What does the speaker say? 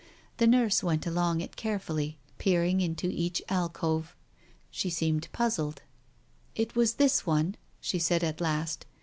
The nurse went along it carefully, peering into each alcove. She seemed puzzled. "It was this one," she said at last.